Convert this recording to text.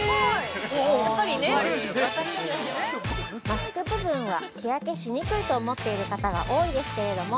◆マスク部分は日焼けしにくいと思っている方が多いですけれども。